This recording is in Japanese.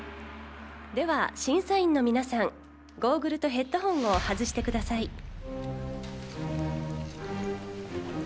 では審査員の皆さんゴーグルとヘッドホンを外してください。